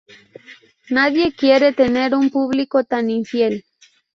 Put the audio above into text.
Nadie quiere tener un público tan infiel.